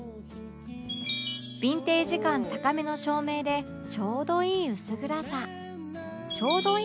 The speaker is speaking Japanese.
ビンテージ感高めの照明でちょうどいい薄暗さ